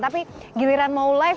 tapi giliran mau live ini juga